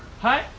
はい？